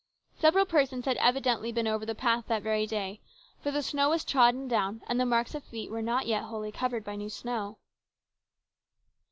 Several persons had evidently been over the path that very day, for the snow was trodden down, and the marks of feet were not yet wholly covered by new snow.